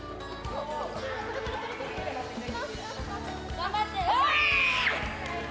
頑張って。